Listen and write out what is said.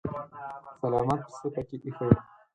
سلامت پسه پکې ايښی و.